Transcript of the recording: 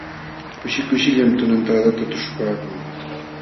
Kushi kushishqallam tunantadata tuśhupaakun.